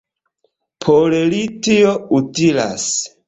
Por li tio utilas!